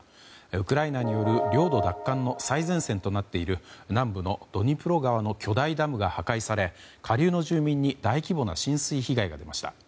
ウクライナによる領土奪還の最前線となっている南部のドニプロ川の巨大ダムが破壊され下流の住民に大規模な浸水被害が出ました。